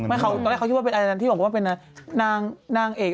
ตอนแรกเขาคิดว่าเป็นอะไรนั้นที่บอกว่าเป็นนางเอก